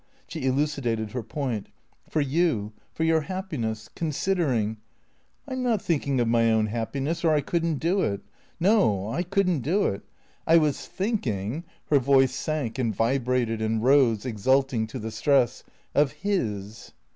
She elucidated her point. " For you, for your happiness, considering "" I 'm not thinking of my own happiness, or I could n't do it. No, I couldn't do it. I was thinking" — her voice sank and vibrated, and rose, exulting, to the stress —" of his."